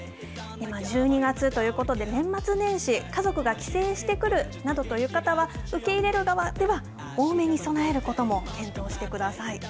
１２月ということで、年末年始、家族が帰省してくるなどという方は受け入れる側では、多めに備えることも検討してください。